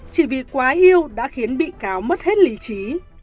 chỉ vì quá yêu đã khiến bị cáo mất hết lý trí